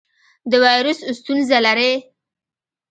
د وایرس ستونزه لرئ؟